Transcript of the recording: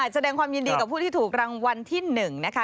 แสดงความยินดีกับผู้ที่ถูกรางวัลที่๑นะคะ